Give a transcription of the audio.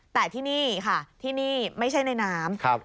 แต่ที่นี่ค่ะที่นี่ไม่ใช่ในน้ำ